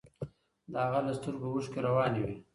د هغه له سترګو اوښکې روانې وې.